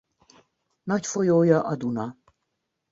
Nagy folyója a Duna.